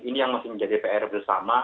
ini yang masih menjadi pr bersama